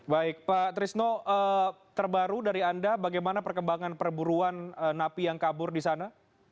baik pak trisno terbaru dari anda bagaimana perkembangan perburuan napi yang kabur di sana